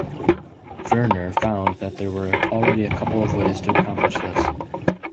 Verner found that there were already a couple of ways to accomplish this.